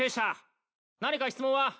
何か質問は？